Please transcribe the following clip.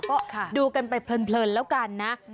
ก็ดูกันไปเพลินแล้วกันนะ